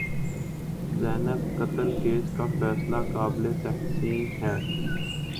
زینب قتل کیس کا فیصلہ قابل تحسین ہے۔